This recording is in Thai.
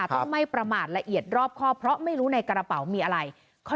ต้องไม่ประมาทละเอียดรอบครอบเพราะไม่รู้ในกระเป๋ามีอะไร